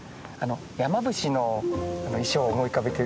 山伏の衣装を思い浮かべて頂くと